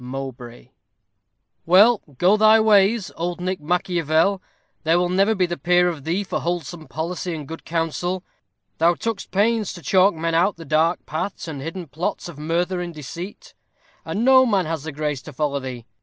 MOWBRAY_ Well, go thy ways, old Nick Machiavel, there will never be the peer of thee for wholesome policy and good counsel: thou took'st pains to chalk men out the dark paths and hidden plots of murther and deceit, and no man has the grace to follow thee.